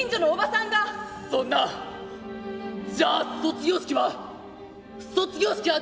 「そんなじゃあ卒業式は？